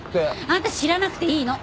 あんた知らなくていいの！